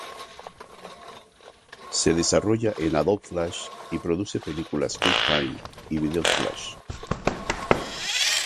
Se desarrolla en Adobe Flash y produce películas QuickTime y videos Flash.